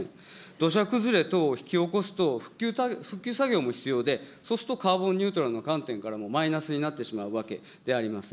土砂崩れ等を引き起こすと、復旧作業も必要で、そうするとカーボンニュートラルの観点からもマイナスになってしまうわけであります。